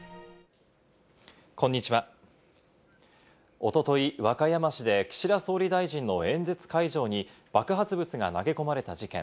一昨日、和歌山市で岸田総理大臣の演説会場に爆発物が投げ込まれた事件。